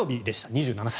２７歳。